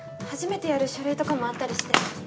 初めてやる書類とかもあったりして。